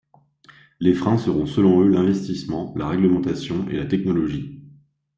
Les freins seront selon eux l'investissement, la réglementation et la technologie.